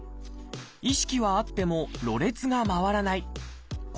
意識はあってもろれつがまわらない。